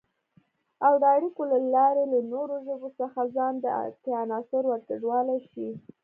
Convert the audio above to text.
او د اړیکو له لارې له نورو ژبو څخه ځان کې عناصر ورګډولای شي